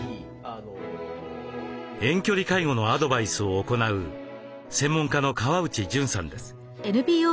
遠距離介護のアドバイスを行う専門家の川内潤さんです。